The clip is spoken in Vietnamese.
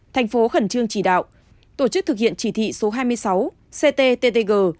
thành phố khẩn trương chỉ đạo tổ chức thực hiện chỉ thị số hai mươi sáu cttg